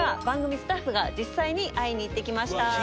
番組スタッフが実際に会いに行ってきました。